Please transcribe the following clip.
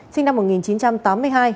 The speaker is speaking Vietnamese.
sinh năm một nghìn chín trăm tám mươi hai